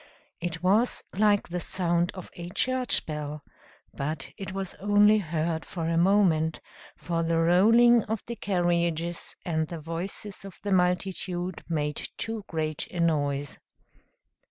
It was like the sound of a church bell: but it was only heard for a moment, for the rolling of the carriages and the voices of the multitude made too great a noise.